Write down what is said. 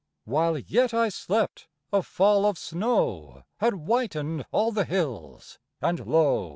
While yet I slept a fall of snow Had whitened all the hills, and lo!